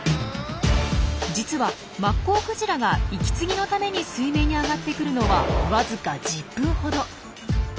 実はマッコウクジラが息継ぎのために水面に上がってくるのはわずか１０分ほど。